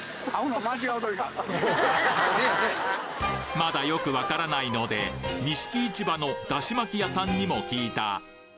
まだよく分からないので錦市場の出汁巻き屋さんにも聞いたです。